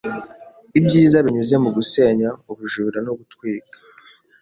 Ibyiza binyuze mu gusenya ubujura no gutwika